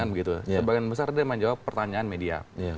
sebagian besar dia menjawab pertanyaan media